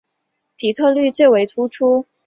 底特律最为突出的建筑是全美第一家。